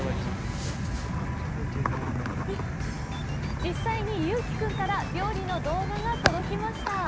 実際にユウキ君から料理の動画が届きました。